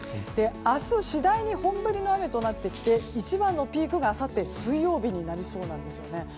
明日、次第に本降りの雨となってきて、一番のピークがあさって水曜日になりそうなんですよね。